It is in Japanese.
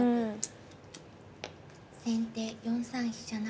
先手４三飛車成。